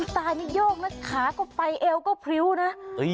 ตายนี่โยกนะขาก็ไปเอวก็พริ้วนะ